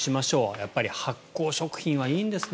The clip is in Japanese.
やっぱり発酵食品はいいんですね